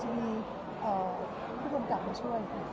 พี่คิดว่าเข้างานทุกครั้งอยู่หรือเปล่า